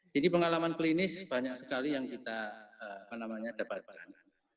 jadi pengalaman klinis banyak sekali yang kita dapatkan